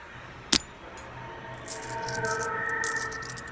o پربت باندي يې سر واچوه؛